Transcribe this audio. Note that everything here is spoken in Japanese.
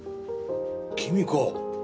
君か。